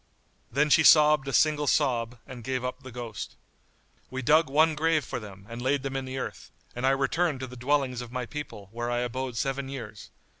Then she sobbed a single sob and gave up the ghost. We dug one grave for them and laid them in the earth, and I returned to the dwellings of my people, where I abode seven years.